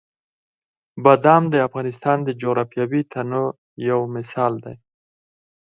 بادام د افغانستان د جغرافیوي تنوع یو مثال دی.